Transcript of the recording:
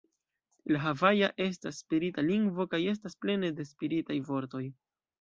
La havaja estas spirita lingvo kaj estas plene de spiritaj vortoj.